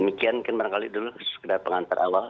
demikian mungkin barangkali dulu sekedar pengantar awal